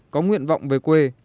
có nguyện vọng về quê